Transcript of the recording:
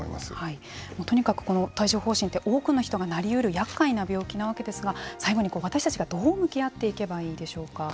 とにかく帯状ほう疹って多くの人がなり得る、やっかいな病気なわけですけれども最後に私たちがどう向き合っていけばいいんでしょうか。